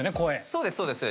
そうですそうです。